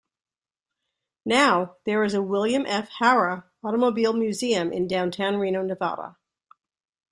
Now, there is a William F. Harrah Automobile Museum in downtown Reno, Nevada.